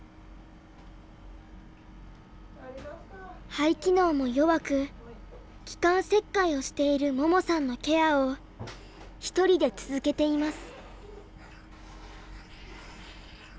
肺機能も弱く気管切開をしている桃さんのケアを一人で続けています。